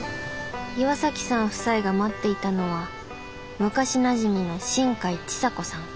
岩さん夫妻が待っていたのは昔なじみの新海智佐子さん。